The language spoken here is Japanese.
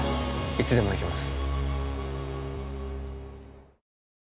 いつでもいけます。